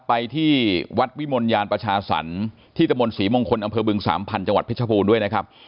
ไปที่วัดวิมลยานประชาสรรค์ที่ตะมนต์ศรีมงคลอำเภอบึงสามพันธ์จังหวัดเพชรบูรณ์ด้วยนะครับ